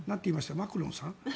マクロンさん？